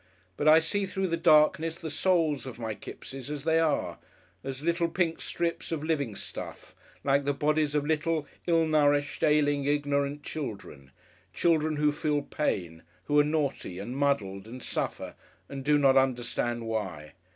But I see through the darkness the souls of my Kippses, as they are, as little pink strips of living stuff, like the bodies of little, ill nourished, ailing, ignorant children, children who feel pain, who are naughty and muddled and suffer and do not understand why.